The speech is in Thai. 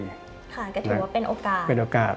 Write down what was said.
ค่ะก็ถือว่าเป็นโอกาส